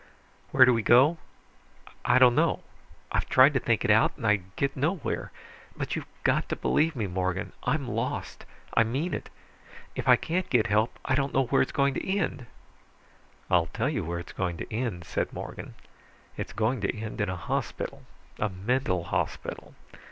"Where do we go? I don't know. I've tried to think it out, and I get nowhere. But you've got to believe me, Morgan. I'm lost, I mean it. If I can't get help, I don't know where it's going to end." "I'll tell you where it's going to end," said Morgan. "It's going to end in a hospital. A mental hospital.